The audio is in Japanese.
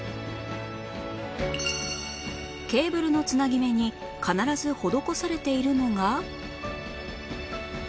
ケーブルの繋ぎ目に必ず施されているのが？